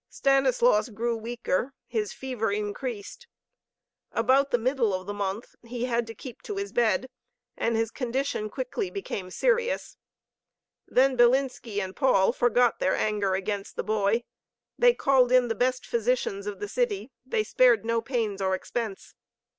Stanislaus grew weaker, his fever increased. About the middle of the month he had to keep his bed, and his condition quickly became serious. Then Bilinski and Paul forgot their anger against the boy. They called in the best physicians of the city, they spared no pains or expense.